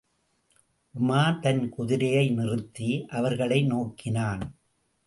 உமார் தன் குதிரையை நிறுத்தி, அவர்களை நோக்கினான்.